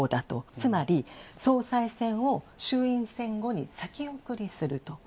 つまり、総裁選を衆院選後に先送りすると。